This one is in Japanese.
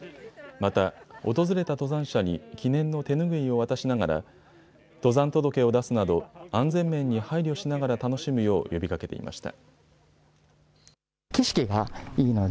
また訪れた登山者に記念の手ぬぐいを渡しながら登山届を出すなど安全面に配慮しながら楽しむよう呼びかけていました。